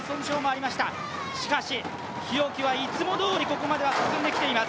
しかし、日置はいつもどおりここまでは進んできています。